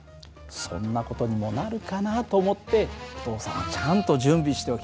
そんな事にもなるかなと思ってお父さんはちゃんと準備しておきました。